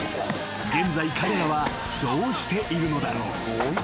［現在彼らはどうしているのだろう？］